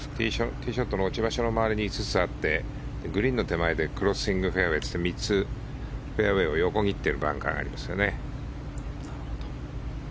ティーショットの落ち場所の周りに５つあってグリーンの手前でクロッシングフェアウェーという３つフェアウェーを横切っているバンカーがありますね。